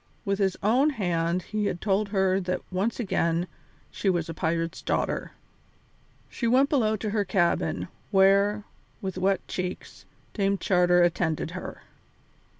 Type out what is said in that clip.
With his own hand he had told her that once again she was a pirate's daughter. She went below to her cabin, where, with wet cheeks, Dame Charter attended her.